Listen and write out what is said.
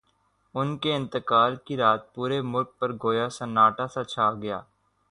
ان کے انتقال کی رات پورے ملک پر گویا سناٹا سا چھا گیا۔